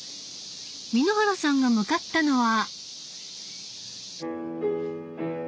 簑原さんが向かったのは。